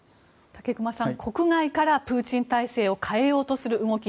武隈さん、国内からプーチン体制を変えようとする動き